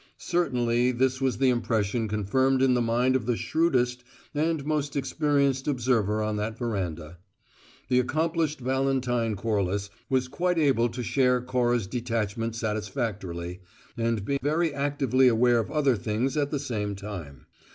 Certainly this was the impression confirmed in the mind of the shrewdest and most experienced observer on that veranda. The accomplished Valentine Corliss was quite able to share Cora's detachment satisfactorily, and be very actively aware of other things at the same time.